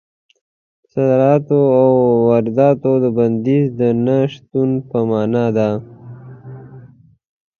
په صادراتو او وارداتو د بندیز د نه شتون په مانا ده.